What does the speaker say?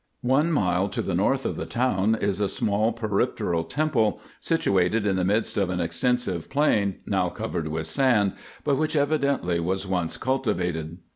One mile to the north of the town is a small peripteral temple, situated in the midst of an extensive plain, now covered with sand, but which evidently was once cultivated.